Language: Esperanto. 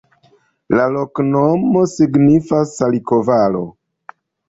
La loknomo signifas: saliko-valo.